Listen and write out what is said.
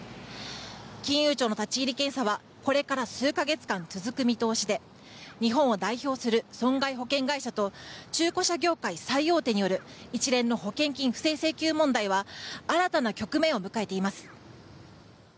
金融庁の立ち入り検査はこれから数か月間続く見通しで日本を代表する損害保険会社と中古車業界最大手による一連の保険金不正請求問題は新たな局面を迎えています。